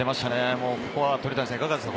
ここは鳥谷さん、いかがですか？